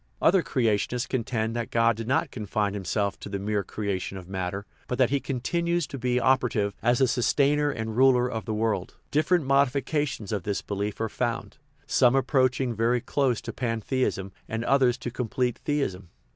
Other creationists contend that God did not confine himself to the mere creation of matter, but that he continues to be operative as the " sustainer and ruler of the world." Different modifications of this belief are found, some approaching very close to pantheism and others to complete theism.